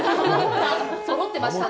そろってましたね。